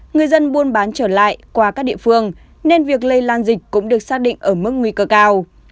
người dân buôn bán trở lại qua các địa phương nên việc lây lan dịch cũng được xác định ở mức nguy cơ cao